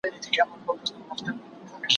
يوه ورځ د بلي مور ده.